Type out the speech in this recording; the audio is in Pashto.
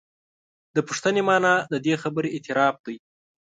د پوښتنې معنا د دې خبرې اعتراف دی.